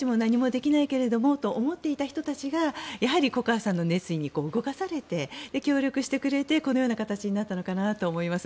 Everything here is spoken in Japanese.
自分たちも何もできないけれどもと思っていた人たちが粉川さんの熱意に動かされて協力してくれてこのような形になったのかなと思います。